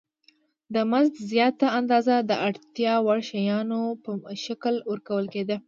د مزد زیاته اندازه د اړتیا وړ شیانو په شکل ورکول کېده